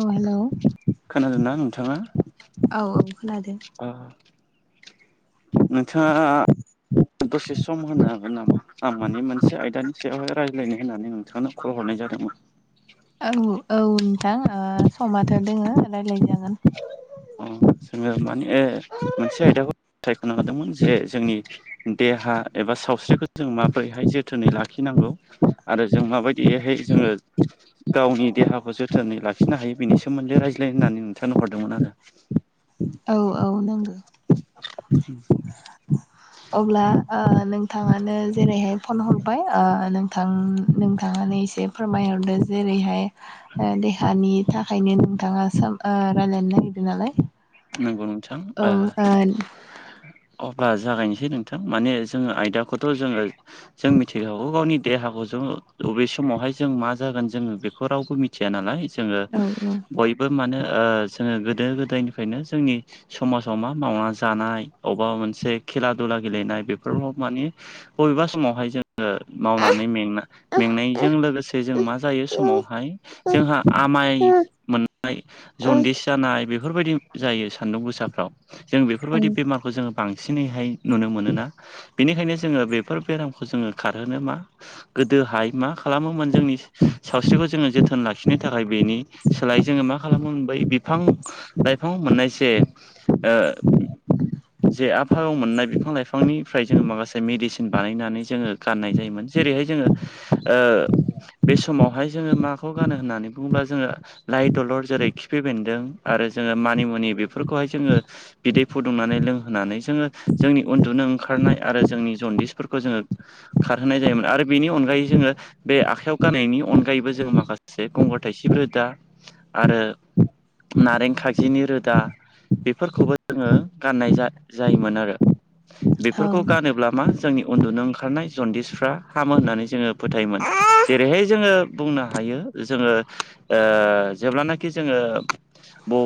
औ हेलौ खोनादोंना नोंथाङा? औ खोनादों ओ नोंथाङा दसे सम होनो हागोन नामा? आं माने मोनसे आयदानि सायावहाय रायज्लायनो होननानै नोंथांनो खल हरनाय जादोंमोन। औ औ नोंथां ओ समाथो दोङो रायज्लायजागोन। अ जोङो माने मोनसे आयदाखौ सायख'नो हादोंमोन जे जोंनि देहा एबा सावस्रिखौ जों माबोरैहाय जोथोनै लाखि- खिनांगौ आरो जों माबायदियैहाय जोङो गावनि देहाखौ जोथोनै लाखिनो हायो बेनि सोमोन्दै रायज्लायनो होननानै नोंथांनो हरदोंमोन आरो। औ औ नंगो। अब्ला ओ नोंथाङानो जेरैहाय फन हरबाय ओ नोंथां नोंथाङानो एसे फोरमायहरदो जेरैहाय ओ देहानि थाखायनो नोंथाङा सा ओ रायलायनो नागिरदों नालाय। नंगौ नोंथां औ ओ अब्ला जागायनोसै नोंथां माने जोङो आयदाखौथ' जोङो जों मिथिखागौ गावनि देहाखौ जों बबे समावहाय जों मा जागोन जोङो बेखौ रावबो मि- मिथिया नालाय जोङो ओ बयबो मानो ओ जोङो गोदो-गोदायनिफ्रायनो जोंनि समाजाव मा मावना जानाय अबेबा मोनसे खेला दुला गेलेनाय बेफोराव मानि बबेबा समावहाय जों ओ मावनानै मेंना मेंनायजों लोगोसे जों मा जायो समावहाय जोंहा आमाय मोननाय जन्दिस जानाय बेफोरबायदि जायो सान्दुं गोुसाफ्राव जों बेफोरबायदि बेमारखौ जोङो बांसिनैहाय नुनो मोनोना बिनिखायनो जोङो बेफोर बेरामखौ जोङो खारहोनो मा गोदोहाय मा खालामोमोन जोंनि सावस्रिखौ जोङो जोथोन लाखिनो थाखाय बेनि सोलाय जोङो मा खालामो बै बिफां-लाइफां मोननाय जे ओ जे आबहावायाव मोननाय बिफां-लाइफांनिफ्राय जोङो माखासे मेडिसिन बानायनानै जोङो गाननाय जायोमोन जेरैहाय जोङो ओ बे समावहाय जोङो माखौ गानो होननानै बुङोब्ला जोङो लाइ दलर जेरै खिफि बेन्दों आरो जोङो मानिमुनि बेफोरखौहाय जोङो बिदै फुदुंनानै लोंहोनानै जोङो जोंनि उन्दुनो ओंखारनाय आरो जोंनि जनदिसफोरखौ जोङो खारहोनाय जायोमोन आरो बेनि अनगायै जोङो बे आखाइायाव गाननायनि अनगायैबो जोङो माखासे से गंगार थाइसिब रोदा आरो नारें खाख जिनि रोदा बेफोरखौबो जोङो गाननाय जा जायोमोन आरो। बेफोरखौ औ गानोब्ला मा जोंनि उन्दुनो ओंखारनाय जनदिसफ्रा हामो होननानै जोङो फोथायोमोन। जेरैहाय जोङो बुंनो हायो जोङो ओ जेब्लानाखि जोङो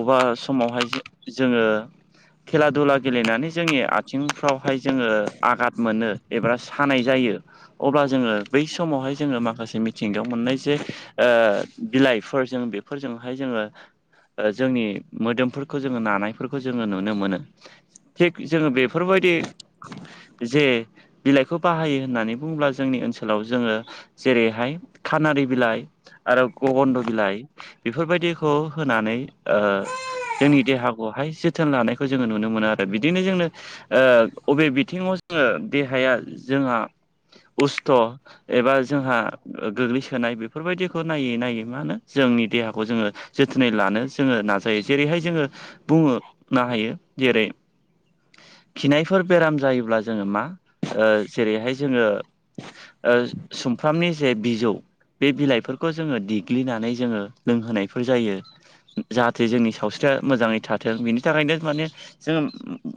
बबेबा समावहाय जो जोङो खेला-दुला गेलेनानै जोंनि आथिंफ्रावहाय जोङो आघाद मोनो एबा सानाय जायो अब्ला जोङो बै समावहाय जोङो माखासे मिथिंगायाव मोननाय जे ओ बिलाइफोर जों बेफोरजोंहाय जोङो ओ जोंनि मोदोमफोरखौ जोङो नानायफोरखौ जोङो नुनो मोनो। थिग जोङो बेफोरबायदि जे बिलाइखौ बाहायो होननानै बुङोब्ला जोंनि ओनसो ओनसोलाव जोङो जेरैहाय खानारि बिलाइ आरो गगन्द बिलाइ बेफोरबायदिखौ होनानै ओ जोंनि देहाखौहाय जोथोन लानायखौ जोङो नुनो मोनो आरो बिदिनो जोंनो ओ अबे बिथिङाव जोङो देहाया जोंहा उस्थ' एबा जोंहा गोग्लैसोनाय बेफोरबायदिखौ नायै नायै मा होनो जोंनि देहाखौ जोङो जोथोनै लानो जोङो नाजायो जेरैहाय जोङो बुङो नाहायो जेरै खिनायफोर बेराम जायोब्ला जोङो मा ओ जेरैहाय जोङो ओ सुमफ्रामनि जे बिजौ बे बिलाइफोरखौ जोङो देग्लिनानै जोङो लोंहोनायफोर जायो जा जे जोंनि सावस्रिया मोजाङै थाथों बिनि थाखायनो माने जों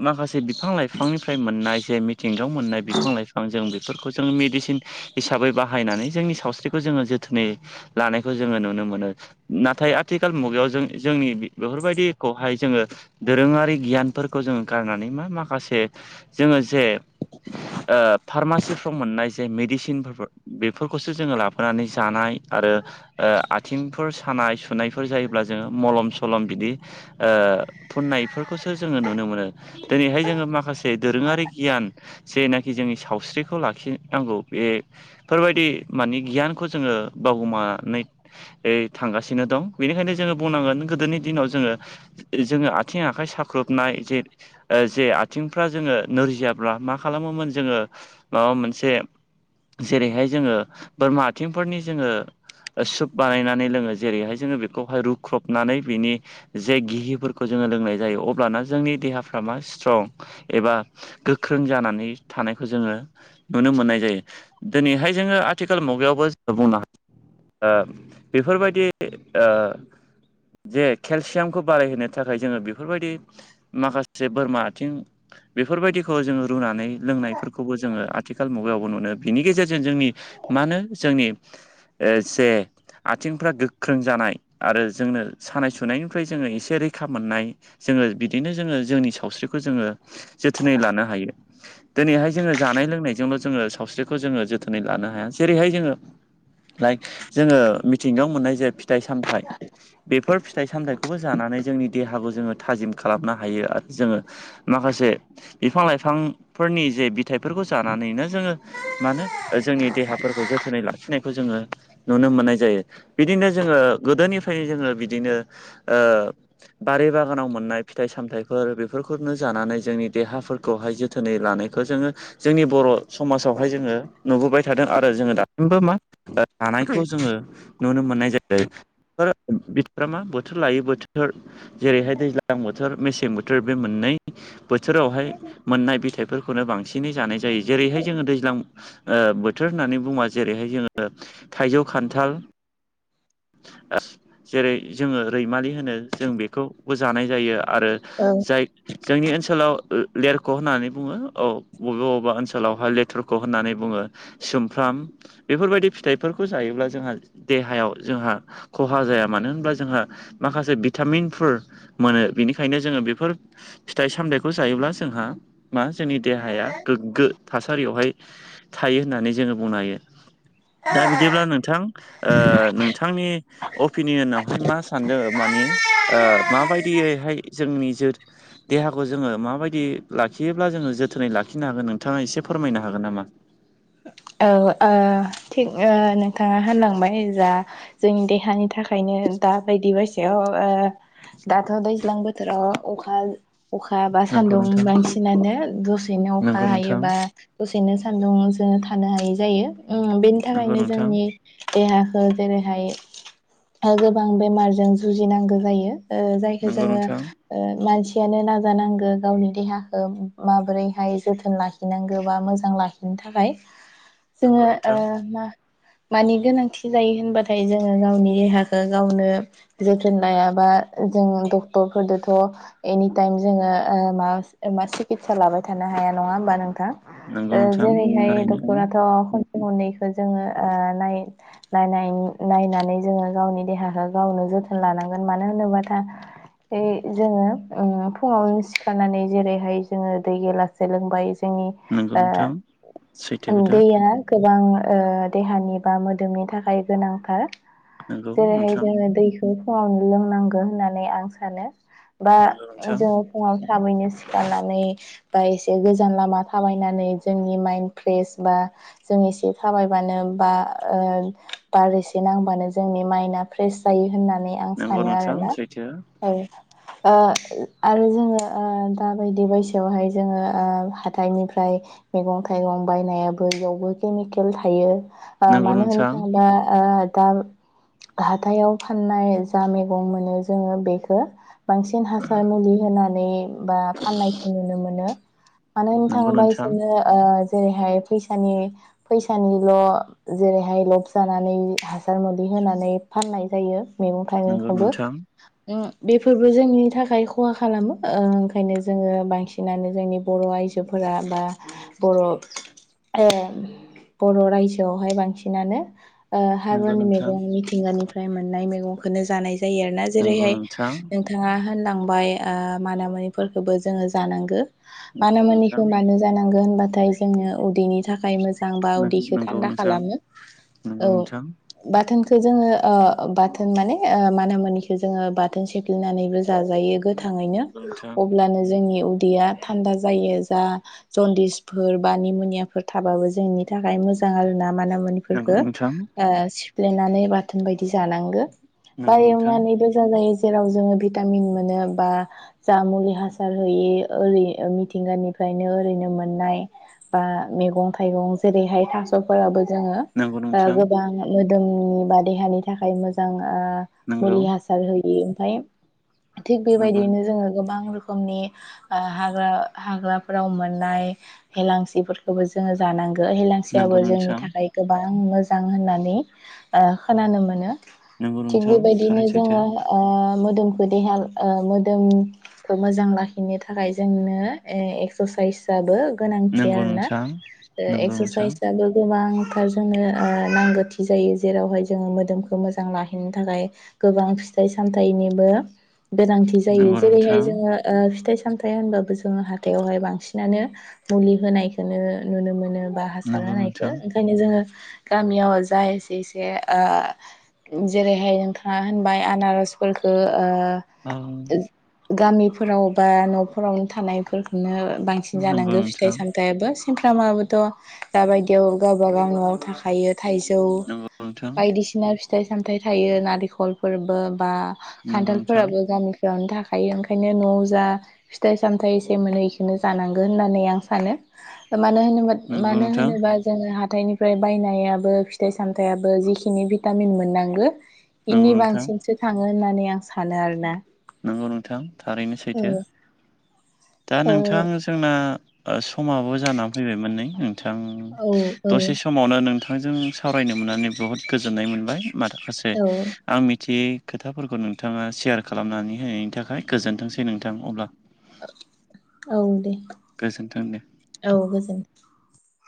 माखासे बिफां-लाइफांनिफ्राय मोननाय जे मि थिंगाव मोननाय बिफां-लाइफां जों बेफोरखौ जों मेडिसिन हिसाबै बाहायनानै जोंनि सावस्रिखौ जोङो जोथोनै लानायखौ जोङो नुनो मोनो। नाथाय आथिखाल मुगायाव जों जोंनि बेफोरबायदिखौहाय जोङो दोरोङारि गियानफोरखौ जोङो गारनानै मा माखासे जोङो जे ओ फार्मासिफ्राव मोननाय जे मेडिसिन फोरबो बेफोरखौसो जोङो लाबोनानै जानाय आरो‌ ओ आथिंफोर सानाय-सुनायफोर जायोब्ला जोङो मलम-सलम बिदि ओ फुननायफोरखौसो जोङो नुनो मोनो। दिनैहाय जोङो माखासे दोरोङारि गियान जेनाखि जोंनि सावस्रिखौ लाखिनांगौ बे फोरबायदि माने गियानखौ जोङो बावगु मानै यै थांगासिनो दं बेनिखायनो जोङो बुंनांगोन गोदोनि दिनाव जोङो जेरै जोङो आथिं आखाइ साख्रुबनाय जे ओ जे आथिंफ्रा जोङो नोरजियाब्ला मा खालामोमोन जोङो माबा मोनसे जेरैहाय जोङो बोरमा आथिंफोरनि जोङो ओ सुप बानायनानै लोङो जेरैहाय जोङो बेखौहाय रुख्रबनानै बिनि जे गिहिफोरखौ जोङो लोंनाय जायो अब्लाना जोंनि देहाफ्रा मा सिथ्रं एबा गोख्रों जानानै थानायखौ जोङो नुनो मोननाय जायो दिनैहाय जोङो आथिखाल मुगायावबो बुंनो हायो ओ बेफोरबायदि ओ जे केलसियामखौ बारायहोनो थाखाय जोङो बेफोरबायदि माखासे बोरमा आथिं बेफोरबायदिखौ जोङो रुनानै लोंनायफोरखौबो जोङो आ आथिखाल मुगायावबो मोनो बिनि गेजेरजों जोंनि मा होनो जोंनि ओ जे आथिंफ्रा गोख्रों जानाय आरो जोंनो सानाय सुनायनिफ्राय जोङो एसे रैखा मोननाय जोङो बिदिनो जोङो जोंनि सावस्रिखौ जोङो जोथोनै लानो हायो दिनैहाय जोङो जानाय लोंनायजोंल जोङो सावस्रिखौ जोङो जोथोनै लानो हाया जेरैहाय जोङो लाइक जोङो मिथिंगायाव मोननाय जे फिथाइ सामथाइ बेफोर फिथाइ सामथायाइखौबो जानानै जोंनि देहाखौ जोङो थाजिम खालामनो हायो आरो जोङो माखासे बिफां लाइफांफोरनि जे बिथायाइफोरखौ जानानैनो जोङो मा होनो जोंनि देहाफोरखौ जोथोनै लाखिनायखौ जोङो नुनो मोननाय जायो बिदिनो जोङो गोदोनिफ्रा फ्राय जोङो बिदिनो ओ बारि बागानाव मोननाय फिथाइ सामथाइफोर बेफोरखौनो जानानै जोंनि देहाफोर खौहाय जोथोनै लानायखौ जोङो जोंनि बर' समाजावहाय जोङो नुबोबाय थादों आरो जोङो दासिमबो मा औ जानायखौ जोङो नुनो मोननाय जायो फोर बेफोर मा बोथोर लायो बोथोर जेरैहाय दैज्लां जां बोथोर मेसें बोथोर बे मोननै बोथोरावहाय मोननाय बिथाइ फोरखौनो बांसिनै जानाय जायो जेरैहाय जोङो दैज्लां ओ बोथोर होननानै बुंबा जेरैहाय जोङो थाइजौ, खान्थाल जेरै जोङो रैमालि होनो जों बेखौबो जानाय जायो आरो ओं दाय जोंनि ओनसोलाव लेरख' होननानै बुङो औ बबेबा बबेबा ओनसोलावहाय लेथरखौ होननानै बुङो सुमफ्राम बेफोरबायदि फिथाइफोरखौ जायोब्ला जोंहा देहायाव जोंहा खहा जाया मानो होनबा जोंहा माखासे भिटामिनफोर मोनो बेनिखायनो जोङो बेफोर फिथाइ सामथायखौ जायोब्ला जोंहा मा जोंनि देहाया गोग्गो थासारियावहाय थायो होननानै जोङो बुंनो हायो दा बिदिब्ला नोंथां ओ नोंथांनि अपिनियनावहाय मा सानदों माने ओ माबायदियैहाय जोंनि जो देहाखौ जोङो माबायदि लाखियोब्ला जोङो जोथोनै लाखिनो हागोन नोंथाङा एसे फोरमायनो हागोन नामा? औ ओ थिग ओ नोंथाङा होनलांबाय जा जोंनि देहानि थाख खायनो दा बायदि बासियाव ओ दाथ' दैज्लां बोथोराव अखा अखा बा नंगौ सान्दुं नोंथां बांसिनानो दसेनो अखा नंगौ हायो नोंथां बा दसेनो सान्दुं जोङो थानो हायै जायो ओ बेनि नंगौ थाखायनो नोंथां जोंनि देहाखौ जेरैहाय ओ गोबां बेमारजों जुजिनांगौ जायो ओ जायखौ नंगौ जोङो नोंथां ओ मानसियानो नाजानांगो गावनि देहाखौ माबोरैहाय जोथोन लाखि लाखिनांगौ बा मोजां लाखिनो थाखाय ओ नंगौ नोंथां जोङो मा मानि गोनांथि जायो होनबाथाय जोङो गावनि देहाखौ गावनो जोथोन लायाबा जों डक्टरफोरजोंथ' एनिटाइम जोङो ओ मा ओ मा सिकितसा लाबाय थानो हाया नङा होमबा नोंथां नंगौ ओ नोंथां जेरैहाय थारैनो दखतराथ' खननैखौ जोङो ओ नाय नायनाय नायनानै जोङो गावनि देहाखौ गावनो जोथोन लानांगोन मानो होनोबा दा ओय जोङो उम फुङाव सिखारानानै जेरैहाय जोङो दै गेलासे लोंबाय जोंनि नोंगौ ओ नोंथां सैथो खोथा दैया गोबां देहानि बा मोदोमनि थाखाय गोनांथार। नंगौ जेरैहाय नोंथां जोङो दैखौ फुङावनो लोंनांगौ होननानै आं सानो। बा नंगौ नोंथां जों फुङाव थाबैनो सिखारनानै बा एसे गोजान लामा थाबायनानै जोंनि माइन प्लेस बा जों एसे थाबायबानो बा बार एसे नांबानो जोंनि माइना फ्रेस जायो होननानै आं नंगौ सानो नोंथां आरोना सैथो औ। ओ आरो जोङो दाबायदि बैसोआवहाय जोङो हाथाइनिफ्राय मैगं थाइगं बायनायाबो जयावबो केमिकेल थायो नंगौ मानो होननो नोंथां थाङोबा दा हाथायाव फाननाय जा मैगं मोनो जोङो बेखौ बांसिन हासार मुलि होनानै बा फाननायखौ नुनो मोनो। मानो होननो नंगौ थाङोबा नोंथां बिसोरनो जेरैहाय फैसानि फैसानिल' जेरैहाय लब जानानै हासार मुलि होनानै फाननाय जायो। मैगं नंगौ थाइगंखौबो नोंथां बेफोरबो जोंनि थाखाय खहा खालामो ओंखायनो जोङो बांसिन बिसिनानो जोंनि बर' आइजोफोरा बा बर' बर' रायजोआवहाय बांसिनानो नंगौ हाग्रानि नोंथां मैगं मिथिंगानिफ्राय मोननाय मैगंखौनो जानाय जायो आरो ना जेरैहाय नोंथां बिथाङा होनलांबाय ओ मानोमोनिफोरखौबो जोङो जानांगो, नंगौ नोंथां मानामुनिखौ मानो जानांगोन होनबाथाय जोंनो उदैनि थाखाय ाय मोजांबा उदैखौ नंगौ थान्दा नोंथां खालामो। नंगौ औ। बाथोनखौ जोङो ओ बाथोन माने ओ मानो मुनिखौ जोङो बाथोन सेफ्लिनानैबो जाजायो। गोथाङैनो नोंथां अब्लानो जोंनि उदैया थान्दा जायो जा जनदिस फोर बा निमनियाफोर थाबाबो जोंनि थाखाय मोजां आरो ना, माना नंगौ मुनिफोरखौ नोंथां ओ सि फ्लेनानै बाथोन बायदि जानांगो बा नंगौ नोंथां एवनानैबो' जाजायो जेराव जोङो भिटामिन मोनो बा जा मुलि हासार होयि ओरै मिथिंगानिफ्रायनो ओरैनो मोननाय बा मैगं थाइगं जेरैहाय थास'फोराबो जोङो नंगौ नोंथां नंगौ नोंथां गोबां मोदोमनि बा देहानि थाखाय मोजां ओ नंगौ मुलि हासार होयो, ओमफफ्राय थिग नंगौ बेबायदियैनो जोङो गोबां रोखोमनि ओ हाग्रा हाग्रा फोराव मोननाय हेलांसिफोरखौबो जोङो जानांगो हेेलांसियाबो नंगौ जोंनि नोंथां थाखाय गोबां मोजां होननानै ओ खोनानो मोनो। नंगौ थिग नोंथां बेबायदिनो थारैनो सैथो जोङो ओ मोदोमखौ देहा ओ मोदोम ओ मोजां लाखिनो थाखाय जोंनो ए एक्सारसाइस आबो गोनांथि नंगौ आरोना नोंथां ओ नंगौ नोंथां एक्सारसाइसआबो गोबां थार जोंनो ओ नांगौथि जायो जेरावहाय जोङो मोदोमखौ मोजां लाखिनो थाखाय गोबां फिथाइ सामथाइनिबो गोनांथि जायो नंगौ जेरैहाय नोंथां जोङो ओ फिथाइ सामथाइ होनबाबो जोङो हाथायावहाय बांसिनानो मुलि होनायखोनो नुनो मोनो बा हासार नंगौ होनायखो नोंथां ओंखायनो जोङो गामियाव जा एसे एसे ओ जेरैहाय नोंथाङा होनबाय आनारसफोरखौ ओ आं गामिफोराव बा न'फोरावनो थानायफोरखौनो बांसिन नंगौ जानांगौ फि नोंथां थायाबो सेंफ्रामाबोथ' दाबायदियाव गावबा गाव न'आव थाखायो। थाइजौ नंगौ नोंथां बायदिसिना फिथाइ सामथाइ थायो नालिखरफोरबो बा नंगौ नोंथां खान्थालफोराबो गामि बेयावनो थाखायो ओंखायनो न'आव जा फिथाइ सामथाइ एसे मोनो इखोनो जानांगोन होननानै आं सानो मानो होनोबा? नंगौ मानो नोंथां होनोबा? जोङो हाथाइनिफ्राय बायनायाबो फिथाइ सामथाइयाबो जिखिनि भिटामिन मोननांगो। इनि नंगौ नोंथां बांसिनसो थाङो होननानै आं सानो आरो ना। नंगौ नोंथां थारैनो सैथो। दा नोंथां जोंना ओ समाबो जाना फैबायमोन नै नों थां औ दसे समावनो नोंथांजों सावरायनो मोननानै बुहुद गोजोननाय मोनबाय [unintelligible] औ आं मिथियै खोथाफोरखौ नोंथाङा सेयार खालामनानै होनायनि थाखाय गोजोनथोंसै नोंथां अब्ला औ दे। गोजोन्थों दे। औ गोजोन